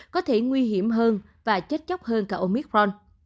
có thể nguy hiểm hơn và chết chóc hơn cả omicron